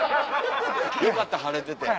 よかった晴れてて。